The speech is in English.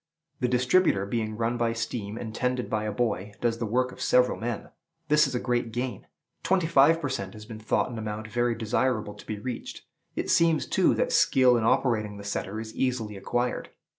The distributer, being run by steam and tended by a boy, does the work of several men. This is a great gain; twenty five per cent. has been thought an amount very desirable to be reached. It seems, too, that skill in operating the setter is easily acquired.